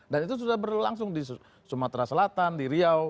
dan itu sudah berlangsung di sumatera selatan di riau